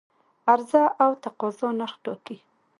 عرضه او تقاضا نرخ ټاکي